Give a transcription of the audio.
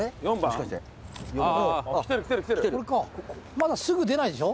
まだすぐ出ないでしょ